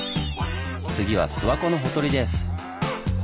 次は諏訪湖のほとりです！